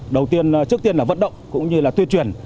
đầu tiên trước tiên là vận động cũng như là tuyên truyền